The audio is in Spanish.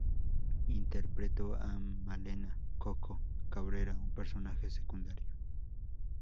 Interpretó a Malena "Coco" Cabrera, un personaje secundario.